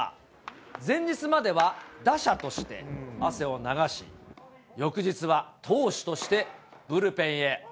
前日までは、打者として汗を流し、翌日は投手としてブルペンへ。